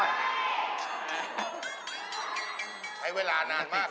ใช้เวลานานมาก